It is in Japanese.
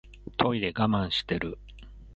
トイレ我慢してる